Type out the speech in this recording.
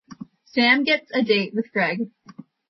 Sam gets a date with Greg.